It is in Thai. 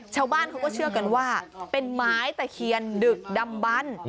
ชาวบ้านเขาก็เชื่อกันว่าเป็นไม้ตะเคียนดึกดำบัน